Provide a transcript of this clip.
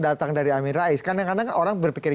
datang dari amin rais kadang kadang orang berpikir